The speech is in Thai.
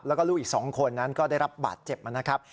แล้วก็ลูกอีก๒คนนั้นก็ได้รับบาดเจ็บนะครับ